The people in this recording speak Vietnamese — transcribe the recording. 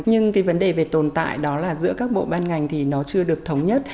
nhưng cái vấn đề về tồn tại đó là giữa các bộ ban ngành thì nó chưa được thống nhất